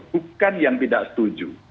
bukan yang tidak setuju